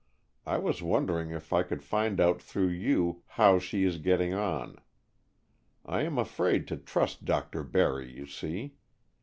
I was wondering if I could find out through you how she is getting on. I am afraid to trust Dr. Barry, you see.